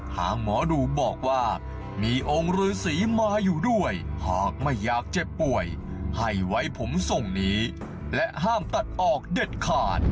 หมอดูบอกว่ามีองค์ฤษีมาอยู่ด้วยหากไม่อยากเจ็บป่วยให้ไว้ผมทรงนี้และห้ามตัดออกเด็ดขาด